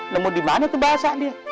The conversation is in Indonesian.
nemu dimana tuh bahasa dia